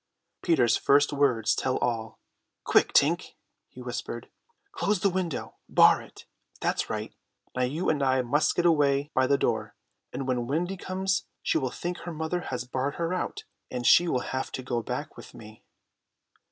Peter's first words tell all. "Quick Tink," he whispered, "close the window; bar it! That's right. Now you and I must get away by the door; and when Wendy comes she will think her mother has barred her out; and she will have to go back with me."